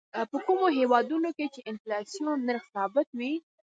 په کومو هېوادونو کې چې د انفلاسیون نرخ ثابت وي.